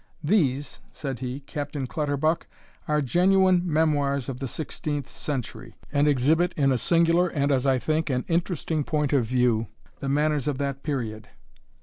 "These," said he, "Captain Clutterbuck, are genuine Memoirs of the sixteenth century, and exhibit in a singular, and, as I think, an interesting point of view, the manners of that period.